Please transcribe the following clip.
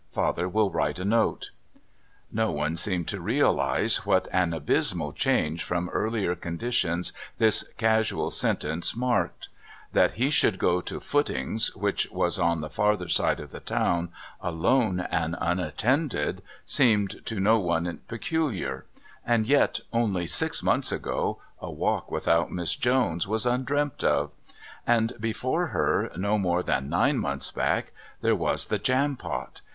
Father will write a note." No one seemed to realise what an abysmal change from earlier conditions this casual sentence marked. That he should go to Footing's, which was on the farther side of the town, alone and unattended, seemed to no one peculiar; and yet, only six months ago, a walk without Miss Jones was undreamt of; and, before her, no more than nine months back, there was the Jampot!